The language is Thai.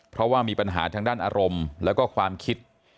เพราะว่ามีปัญหาทางด้านอารมณ์แล้วก็ความคิด